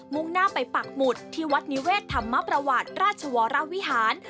่งหน้าไปปักหมุดที่วัดนิเวศธรรมประวัติราชวรวิหาร